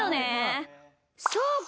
そうか！